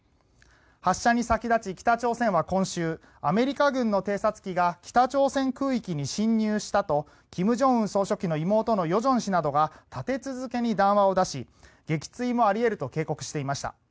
発射に先立ち北朝鮮は今週アメリカ軍の偵察機が北朝鮮空域に侵入したと金正恩総書記の妹の与正氏などが立て続けに談話を出し撃墜もあり得ると警告していました。